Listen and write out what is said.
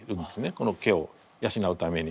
この毛を養うために。